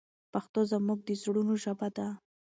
پښتو زموږ د زړونو ژبه ده.